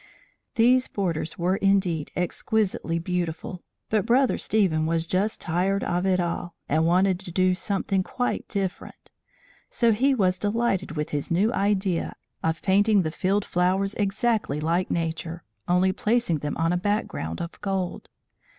These borders were indeed exquisitely beautiful, but Brother Stephen was just tired of it all, and wanted to do something quite different; so he was delighted with his new idea of painting the field flowers exactly like nature, only placing them on a background of gold.